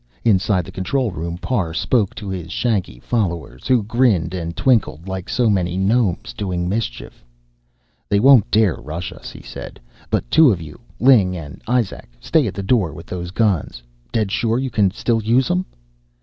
Inside the control room, Parr spoke to his shaggy followers, who grinned and twinkled like so many gnomes doing mischief. "They won't dare rush us," he said, "but two of you Ling and Izak stay at the door with those guns. Dead sure you can still use 'em?...